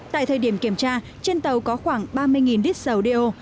tại thời điểm kiểm tra trên tàu có khoảng ba mươi lít dầu đeo